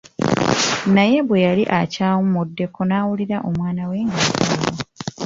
Naye bwe yali akyawumuddeko n'awulira omwana we nga akaaba.